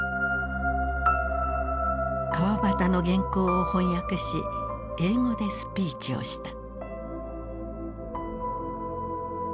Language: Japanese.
川端の原稿を翻訳し英語でスピーチをした。